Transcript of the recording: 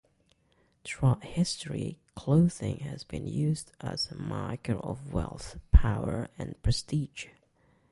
Throughout history, clothing has been used as a marker of wealth, power, and prestige.